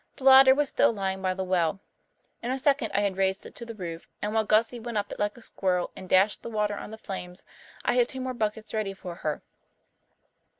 The ladder was still lying by the well. In a second I had raised it to the roof and, while Gussie went up it like a squirrel and dashed the water on the flames, I had two more buckets ready for her.